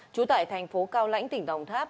tám mươi năm trú tại thành phố cao lãnh tỉnh đồng tháp